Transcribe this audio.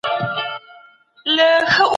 ژوند د هر انسان لپاره یو الهي حق دی.